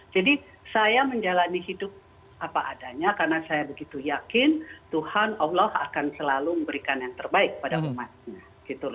jadi saya menjalani hidup apa adanya karena saya begitu yakin tuhan allah akan selalu memberikan yang terbaik pada umatnya